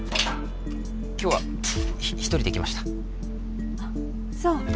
今日は１人で来ましたそう